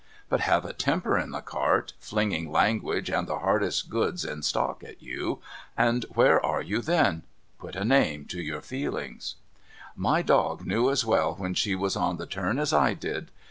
But have a tcmi>€r in the cart, flinging language and the hardest goods in stock at you, and where are you then ? Put a name to your feelings. My dog knew as well when she was on the turn as I did.